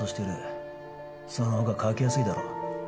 そのほうがかけやすいだろ。